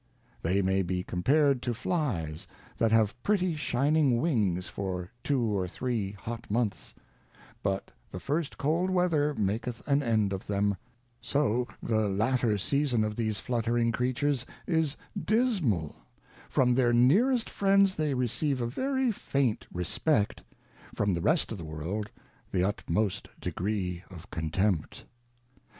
They may be compared to Flies, that have pretty shining Wings for two or three hot Months, but the first cold Weather maketh an end of them ; so the latter Season of these fluttering Creatures is dismal : From their nearest Friends they receive a very faint Respect ; from the rest of the World, the utmost degree of contempt.